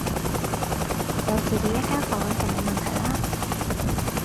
有自己一間房就冇問題啦